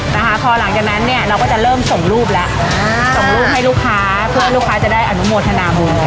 นะคะพอหลังจากนั้นเนี่ยเราก็จะเริ่มส่งรูปแล้วอ่าส่งรูปให้ลูกค้าเพื่อให้ลูกค้าจะได้อนุโมทนาบัว